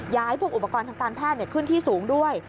พวกอุปกรณ์ทางการแพทย์ขึ้นที่สูงด้วย